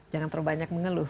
jangan terlalu banyak mengeluh